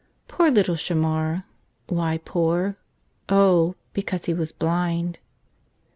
Poor little Shamar! Why poor? Oh, because he was blind.